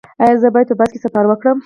ایا زه باید په بس کې سفر وکړم؟